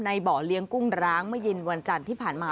ในเบาะเลี้ยงกุ้งร้างเมื่อยินวันจันที่ผ่านมา